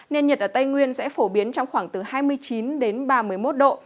nên nhiệt ở tây nguyên sẽ phổ biến trong khoảng từ hai mươi chín đến ba mươi một độ